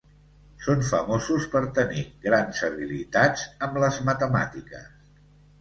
Són famosos per tenir grans habilitats amb les matemàtiques.